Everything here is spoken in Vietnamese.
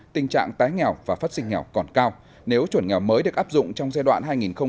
tình trạng tái nghèo và phát sinh nghèo còn cao nếu chuẩn nghèo mới được áp dụng trong giai đoạn